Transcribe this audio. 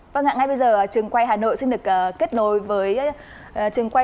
vâng ạ ngay bây giờ trường quay hà nội xin được kết nối với trường quay